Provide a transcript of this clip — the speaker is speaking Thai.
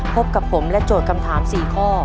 พบกับผมและโจทย์คำถาม๔ข้อ